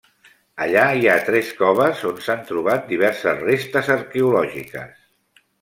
Allà hi ha tres coves on s'han trobat diverses restes arqueològiques.